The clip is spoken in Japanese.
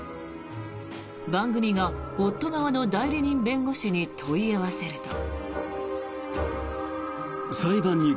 番組が夫側の代理人弁護士に問い合わせると。